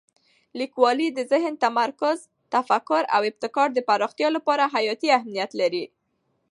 لیکوالی د ذهن تمرکز، تفکر او ابتکار د پراختیا لپاره حیاتي اهمیت لري.